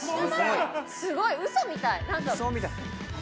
すごいうそみたい。